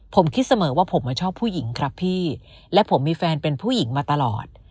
ผมคิดเสมอว่าผมชอบผู้หญิงครับพี่และผมมีแฟนเป็นผู้หญิงมาตลอด